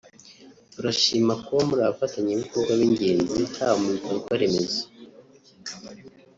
turashima kuba muri abafatanyabikorwa b’ingenzi haba mu bikorwaremezo